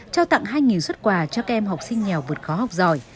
trao tặng hai xuất quà cho các em học sinh nghèo vượt khó học giỏi